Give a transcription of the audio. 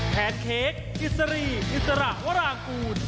แนนเค้กจิสรีอิสระวรางกูล